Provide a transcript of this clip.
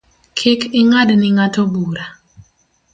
Kik ing’ad ni ng’ato bura